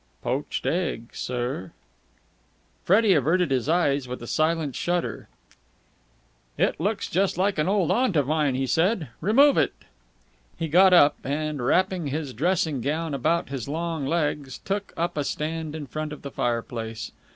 "Poached egg, sir." Freddie averted his eyes with a silent shudder. "It looks just like an old aunt of mine," he said. "Remove it!" He got up, and, wrapping his dressing gown about his long legs, took up a stand in front of the fireplace.